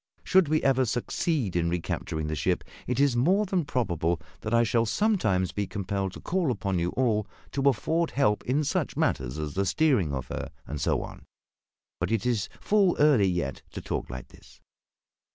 Should we ever succeed in recapturing the ship it is more than probable that I shall sometimes be compelled to call upon you all to afford help in such matters as the steering of her, and so on. But it is full early yet to talk like this."